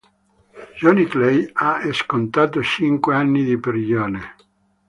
Johnny Clay ha scontato cinque anni di prigione.